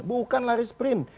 bukan lari sprint